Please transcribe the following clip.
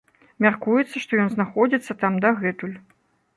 Мяркуецца, што ён знаходзіцца там дагэтуль.